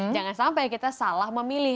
jangan sampai kita salah memilih